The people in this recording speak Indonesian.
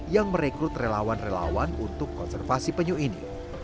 yang merekrut relawan relawan untuk konservasi penyu ini